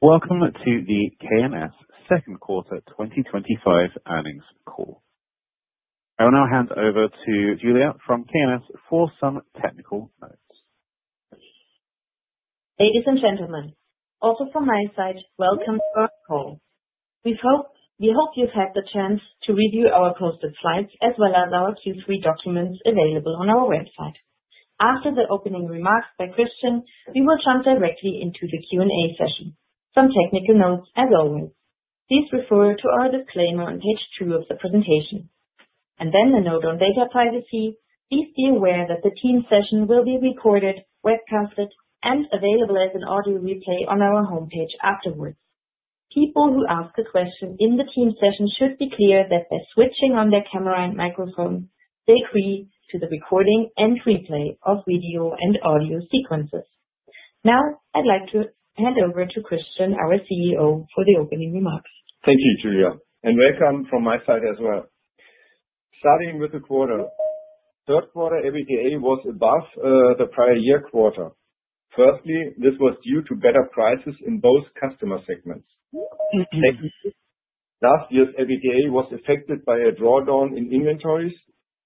Welcome to the K+S second quarter 2025 earnings call. I will now hand over to Julia from K+S for some technical notes. Ladies and gentlemen, also from my side, welcome to our call. We hope you've had the chance to review our posted slides as well as our Q3 documents available on our website. After the opening remarks by Christian, we will jump directly into the Q&A session. Some technical notes as always. Please refer to our disclaimer on page 2 of the presentation. A note on data privacy. Please be aware that the team session will be recorded, webcasted, and available as an audio replay on our homepage afterwards. People who ask a question in the team session should be clear that by switching on their camera and microphone, they agree to the recording and replay of video and audio sequences. Now I'd like to hand over to Christian, our CEO, for the opening remarks. Thank you, Julia, and welcome from my side as well. Starting with the quarter. Third quarter EBITDA was above the prior year quarter. Firstly, this was due to better prices in both customer segments. Secondly, last year's EBITDA was affected by a drawdown in inventories,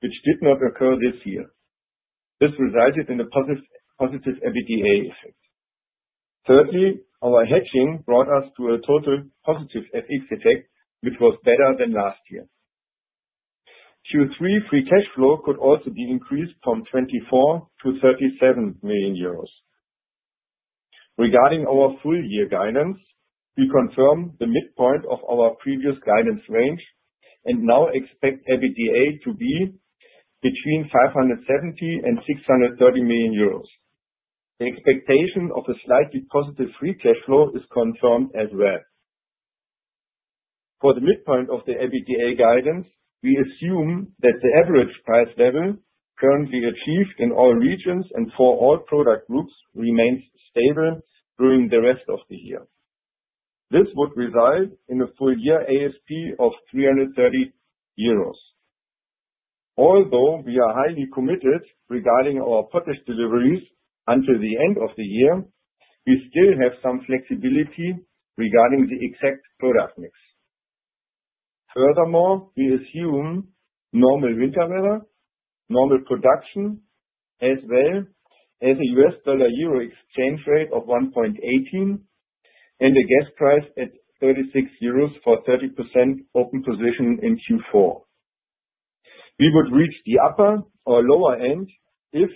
which did not occur this year. This resulted in a positive EBITDA effect. Thirdly, our hedging brought us to a total positive FX effect, which was better than last year. Q3 free cash flow could also be increased from 24 million to 37 million euros. Regarding our full year guidance, we confirm the midpoint of our previous guidance range and now expect EBITDA to be between 570 million and 630 million euros. The expectation of a slightly positive free cash flow is confirmed as well. For the midpoint of the EBITDA guidance, we assume that the average price level currently achieved in all regions and for all product groups remains stable during the rest of the year. This would result in a full year ASP of 330 euros. Although we are highly committed regarding our potash deliveries until the end of the year, we still have some flexibility regarding the exact product mix. Furthermore, we assume normal winter weather, normal production, as well as a US dollar euro exchange rate of 1.18 and a gas price at 36 euros for 30% open position in Q4. We would reach the upper or lower end if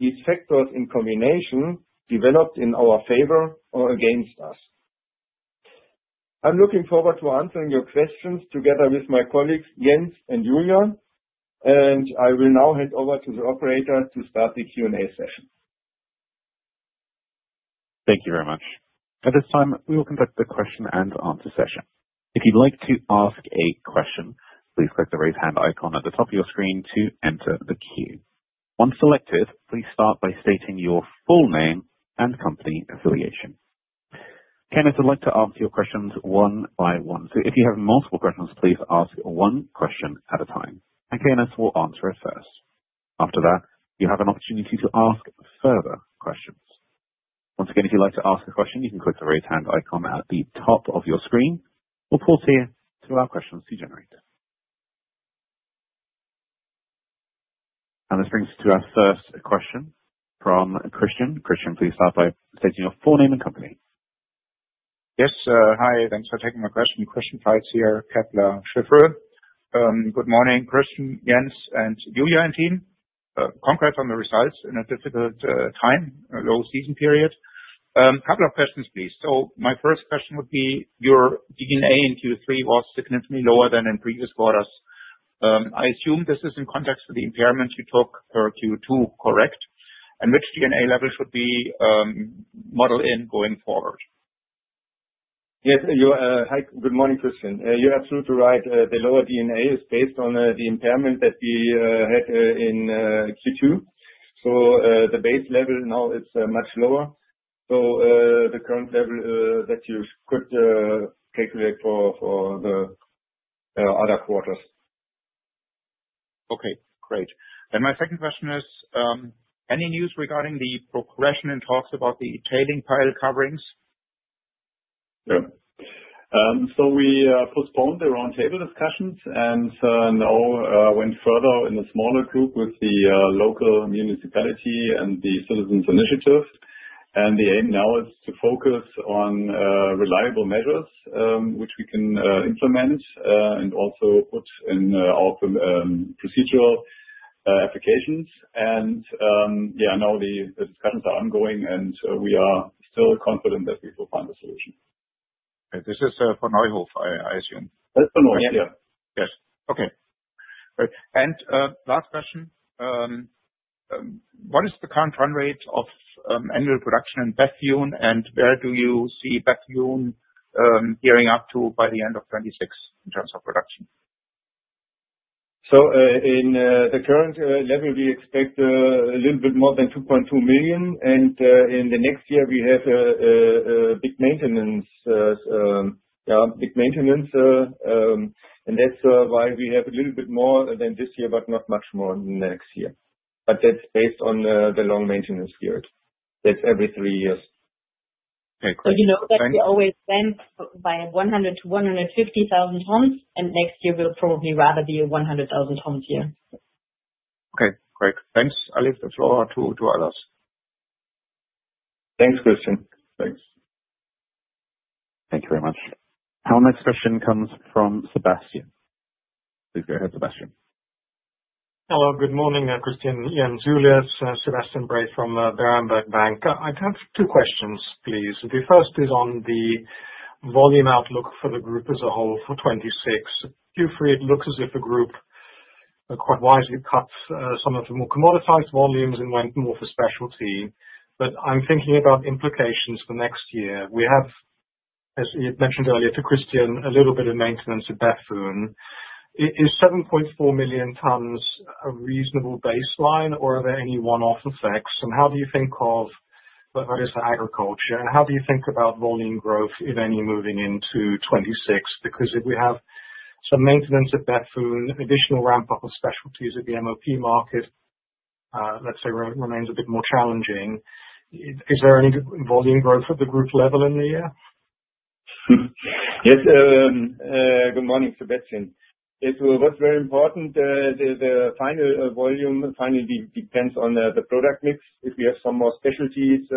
these factors in combination developed in our favor or against us. I'm looking forward to answering your questions together with my colleagues, and Julian, and I will now hand over to the Operator to start the Q&A session. Thank you very much. At this time, we will conduct the question and answer session. If you'd like to ask a question, please click the Raise Hand icon at the top of your screen to enter the queue. Once selected, please start by stating your full name and company affiliation. K+S would like to answer your questions one by one. If you have multiple questions, please ask one question at a time, and K+S will answer it first. After that, you have an opportunity to ask further questions. Once again, if you'd like to ask a question, you can click the Raise Hand icon at the top of your screen. We'll pause here to allow questions to generate. This brings us to our first question from Christian. Christian, please start by stating your full name and company. Yes, hi. Thanks for taking my question. Christian Faitz here, Kepler Cheuvreux. Good morning, Christian, Jens, and Julia, and team. Congrats on the results in a difficult time, a low season period. Couple of questions, please. My first question would be, your D&A in Q3 was significantly lower than in previous quarters. I assume this is in context to the impairments you took for Q2, correct? Which D&A level should we model in going forward? Yes, hi. Good morning, Christian. You're absolutely right. The lower D&A is based on the impairment that we had in Q2. The base level now is much lower. The current level that you could calculate for the other quarters. Okay, great. My second question is, any news regarding the progression and talks about the tailing pile coverings? Yeah. We postponed the roundtable discussions and now went further in a smaller group with the local municipality and the citizens' initiative. The aim now is to focus on reliable measures, which we can implement and also put in all the procedural applications. Yeah, now the discussions are ongoing, and we are still confident that we will find a solution. This is for Neuhof-Ellers, I assume. That's for Neuhof-Ellers, yeah. Yes. Okay. Great. Last question. What is the current run rate of annual production in Bethune, and where do you see Bethune gearing up to by the end of 2026 in terms of production? In the current level, we expect a little bit more than 2.2 million. In the next year we have big maintenance and that's why we have a little bit more than this year but not much more next year. That's based on the long maintenance period. That's every three years. Okay, great. You know that we always stand by 100,000 tons-150,000 tons, and next year will probably rather be a 100,000 tons year. Okay, great. Thanks, Alice. Let's go on to others. Thanks, Christian. Thanks. Thank you very much. Our next question comes from Sebastian. Please go ahead, Sebastian. Hello, good morning, Christian, Jens, Julia. Sebastian Bray from Berenberg Bank. I have two questions, please. The first is on the volume outlook for the group as a whole for 2026. Q3, it looks as if the group quite wisely cut some of the more commoditized volumes and went more for specialty. I'm thinking about implications for next year. We have, as you mentioned earlier to Christian, a little bit of maintenance at Bethune. Is 7.4 million tons a reasonable baseline or are there any one-off effects? How do you think of the various agriculture, and how do you think about volume growth, if any, moving into 2026? If we have some maintenance at Bethune, additional ramp-up of specialties at the MOP market, let's say remains a bit more challenging, is there any volume growth at the group level in the year? Yes, good morning, Sebastian. It was very important, the final volume finally depends on the product mix. If we have some more specialties,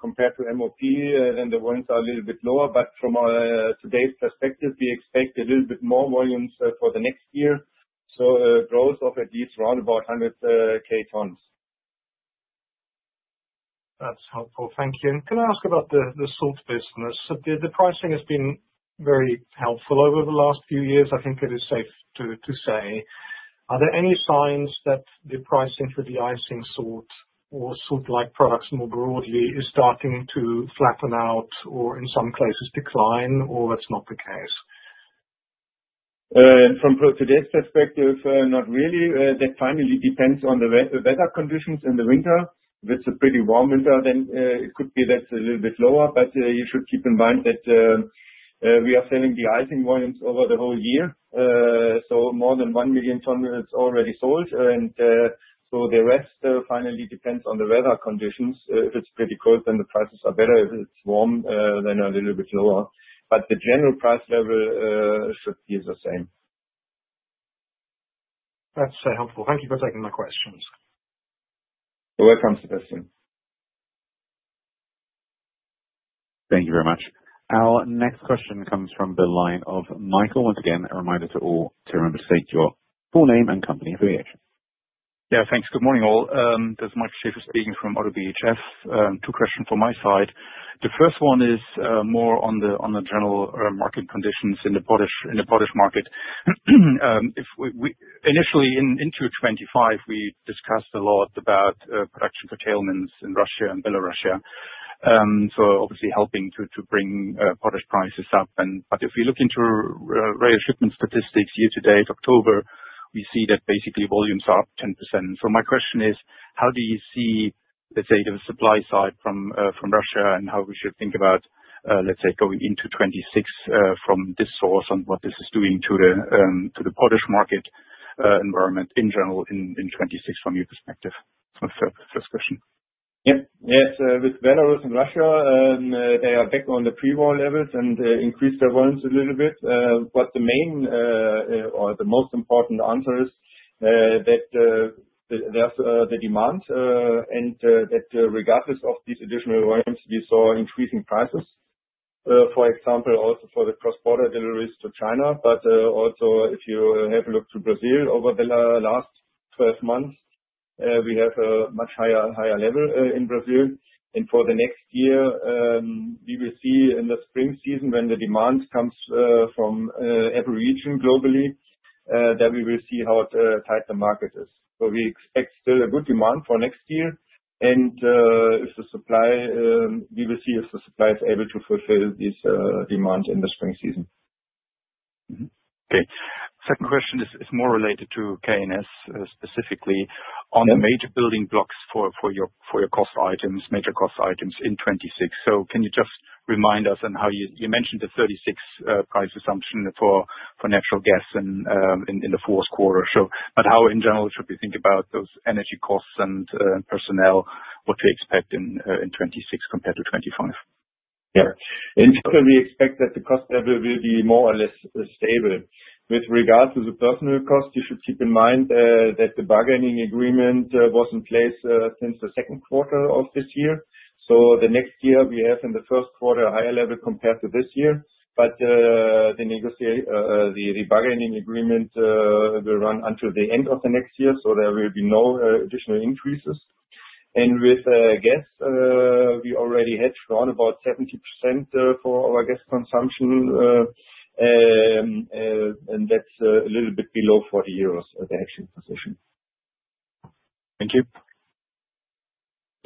compared to MOP, then the volumes are a little bit lower. From our today's perspective, we expect a little bit more volumes for the next year, growth of at least around about 100 K tons. That's helpful. Thank you. Can I ask about the salt business? The pricing has been very helpful over the last few years, I think it is safe to say. Are there any signs that the pricing for the de-icing salt or salt-like products more broadly is starting to flatten out or in some cases decline, or that's not the case? From today's perspective, not really. That finally depends on the weather conditions in the winter. If it's a pretty warm winter, it could be that's a little bit lower. You should keep in mind that we are selling de-icing volumes over the whole year. More than 1 million ton is already sold. And the rest finally depends on the weather conditions. If it's pretty cold, the prices are better. If it's warm, they're a little bit lower. The general price level should be the same. That's helpful. Thank you for taking my questions. You're welcome, Sebastian. Thank you very much. Our next question comes from the line of Michael. Once again, a reminder to all to remember to state your full name and company affiliation. Thanks. Good morning, all. This is Michael Schäfer speaking from ODDO BHF. Two question from my side. The first one is more on the general market conditions in the potash market. If initially in 2025, we discussed a lot about production curtailments in Russia and Belarus. So helping to bring potash prices up and. If you look into rail shipment statistics year to date, October, we see that basically volumes are up 10%. My question is: How do you see, let's say, the supply side from Russia, and how we should think about, let's say, going into 2026 from this source and what this is doing to the potash market environment in general in 2026 from your perspective? That's the first question. Yes. With Belarus and Russia, they are back on the pre-war levels and increased their volumes a little bit. But the main or the most important answer is that the demand and that regardless of these additional volumes, we saw increasing prices. For example, also for the cross-border deliveries to China. But also if you have a look to Brazil over the last 12 months, we have a much higher level in Brazil. For the next year, we will see in the spring season, when the demand comes from every region globally, then we will see how tight the market is. We expect still a good demand for next year. If the supply, we will see if the supply is able to fulfill this demand in the spring season. Okay. Second question is more related to K+S. Yeah. -on the major building blocks for your cost items, major cost items in 2026. Can you just remind us on how you mentioned the 36 price assumption for natural gas and in the fourth quarter. But how in general should we think about those energy costs and personnel, what to expect in 2026 compared to 2025? Yeah. In total, we expect that the cost level will be more or less stable. With regard to the personal cost, you should keep in mind that the bargaining agreement was in place since the second quarter of this year. The next year we have in the first quarter a higher level compared to this year. The bargaining agreement will run until the end of the next year, so there will be no additional increases. And with gas, we already hedged around about 70% for our gas consumption. That's a little bit below 40 euros at the actual position. Thank you.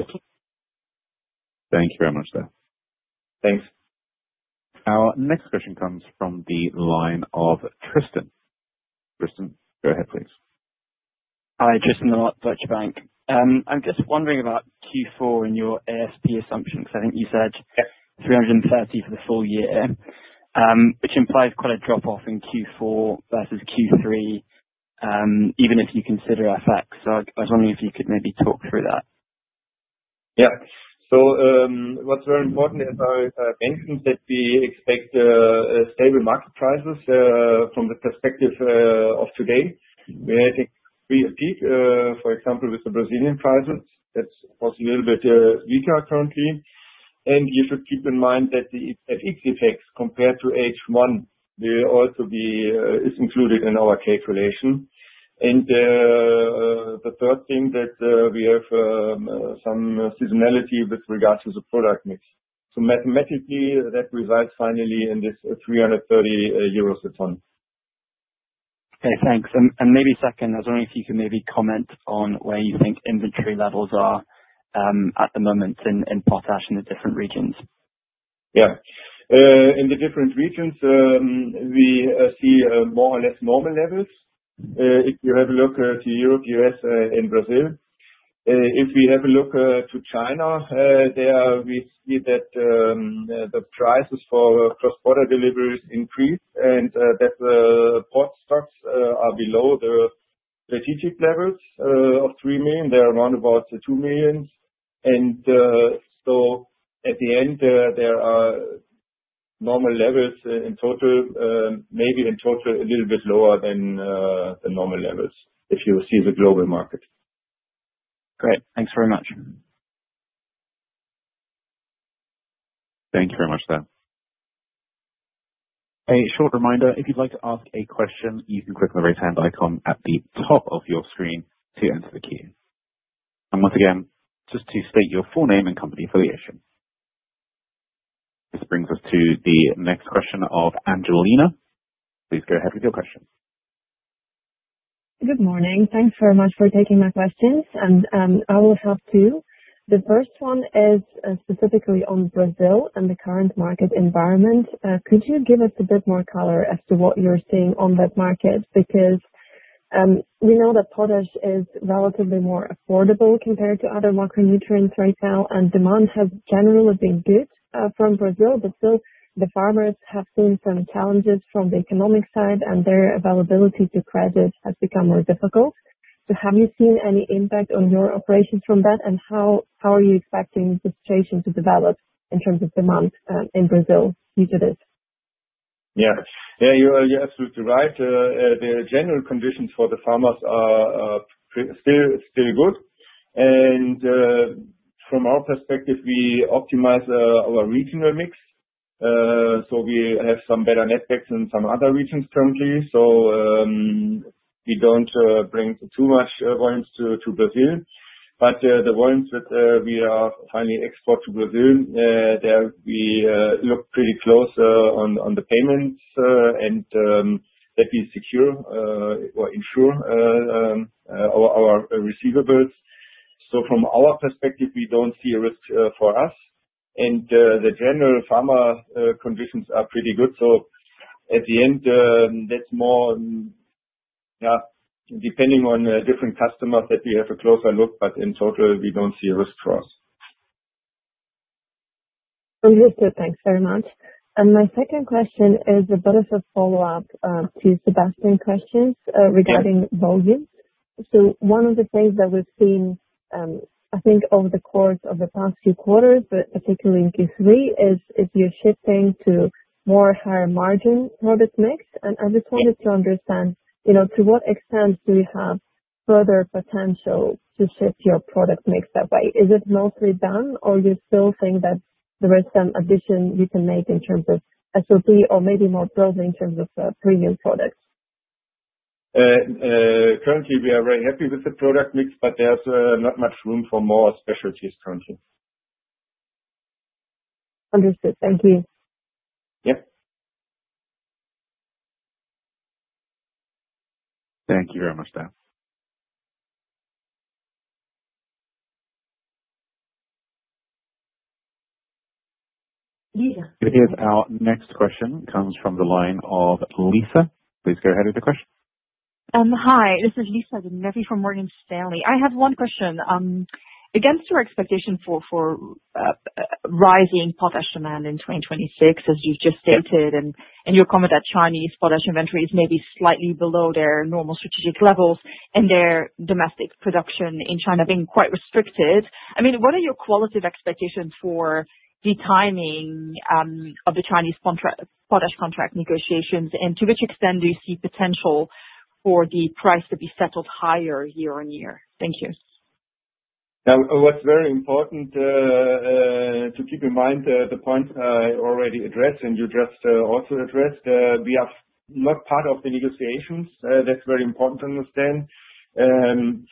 Okay. Thank you very much, sir. Thanks. Our next question comes from the line of Tristan. Tristan, go ahead, please. Hi. Tristan Lamotte, Deutsche Bank. I'm just wondering about Q4 and your ASP assumption, 'cause I think you said 330 for the full year. Which implies quite a drop off in Q4 versus Q3, even if you consider FX. I was wondering if you could maybe talk through that. Yeah. What is very important about inaudible that we expect a stable market prices from the perspective of today, where I think we inaudible, for example, with the Brazilian prices, that's was a little bit weaker currently. And you should keep in mind that the inaudible effects compared to H1 will also be is included in our calculation. And the third thing that we have some seasonality with regards to the product mix. Mathematically that results finally in this 330 euros a ton. Okay, thanks. Maybe second, I was wondering if you can maybe comment on where you think inventory levels are at the moment in potash in the different regions? In the different regions, we see more or less normal levels. If you have a look at Europe, US, and Brazil. If we have a look to China, there we see that the prices for cross-border deliveries increased and that port stocks are below the strategic levels of 3 million. They are around about 2 million. At the end there are normal levels in total, maybe in total a little bit lower than the normal levels, if you see the global market. Great. Thanks very much. Thank you very much, sir. A short reminder, if you'd like to ask a question, you can click the right hand icon at the top of your screen to enter the queue. Once again, just to state your full name and company affiliation. This brings us to the next question of Angelina. Please go ahead with your question. Good morning. Thanks very much for taking my questions. I will have two. The first one is specifically on Brazil and the current market environment. Could you give us a bit more color as to what you are seeing on that market? We know that potash is relatively more affordable compared to other macronutrients right now, and demand has generally been good from Brazil, but still the farmers have seen some challenges from the economic side, and their availability to credit has become more difficult. Have you seen any impact on your operations from that? And how are you expecting the situation to develop in terms of demand in Brazil due to this? Yeah. Yeah, you are absolutely right. The general conditions for the farmers are still good. From our perspective, we optimize our regional mix. We have some better netbacks in some other regions currently. We don't bring too much volumes to Brazil. The ones that we finally export to Brazil, there we look pretty close on the payments. That we secure or ensure our receivables. From our perspective, we don't see a risk for us, and the general farmer conditions are pretty good. At the end, that's more, yeah, depending on different customers that we have a closer look, but in total we don't see a risk for us. Understood. Thanks very much. My second question is a bit of a follow-up, to Sebastian's questions. Yeah. Regarding volumes. One of the things that we've seen, I think over the course of the past few quarters, but particularly in Q3, is you are shifting to more higher margin product mix. I just wanted to understand, you know, to what extent do you have further potential to shift your product mix that way? Is it mostly done or you still think that there is some addition you can make in terms of SOP or maybe more growth in terms of premium products? Currently we are very happy with the product mix, but there is not much room for more specialties currently. Understood. Thank you. Yeah. Thank you very much, Steph. Lisa. It is our next question, comes from the line of Lisa. Please go ahead with your question. Hi, this is Lisa from Morgan Stanley. I have one question. Against your expectation for rising potash demand in 2026, as you've just stated, and you comment that Chinese potash inventories may be slightly below their normal strategic levels and their domestic production in China being quite restricted. I mean, what are your qualitative expectations for the timing of the Chinese potash contract negotiations? To which extent do you see potential for the price to be settled higher year-over-year? Thank you. What is very important to keep in mind, the point I already addressed and you just also addressed, we are not part of the negotiations. That's very important to understand.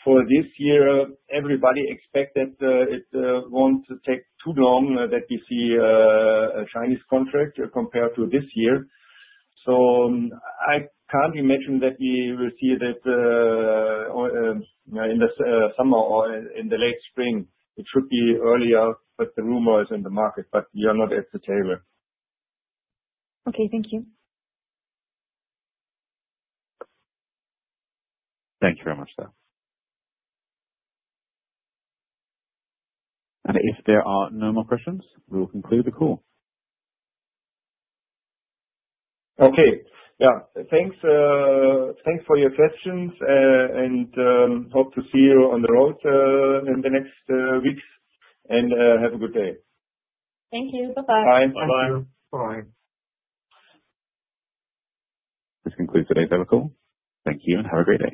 For this year, everybody expect that it won't take too long that we see a Chinese contract compared to this year. I can't imagine that we will see that or in the summer or in the late spring. It should be earlier, but the rumor is in the market, but we are not at the table. Okay. Thank you. Thank you very much, Steph. If there are no more questions, we will conclude the call. Okay. Yeah. Thanks, thanks for your questions. Hope to see you on the road, in the next weeks. Have a good day. Thank you. Bye-bye. Bye-bye. Thank you. Bye. This concludes today's inaudible call. Thank you, and have a great day.